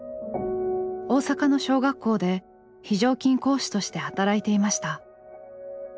大阪の小学校で非常勤講師として働いていました。